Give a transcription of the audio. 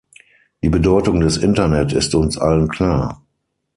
Die Bedeutung des Internet ist uns allen klar.